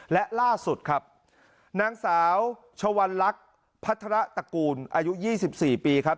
และล่าสุดครับนางสาวชวัลลักษณ์พัฒระตระกูลอายุ๒๔ปีครับ